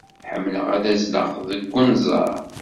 Ḥemmleɣ ad azzleɣ deg unẓar.